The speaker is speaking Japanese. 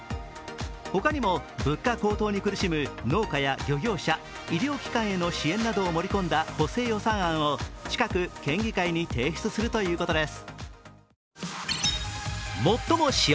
他にも、物価高騰に苦しむ農家や漁業者、医療機関への支援などを盛り込んだ補正予算案を近く県議会に提出するということです。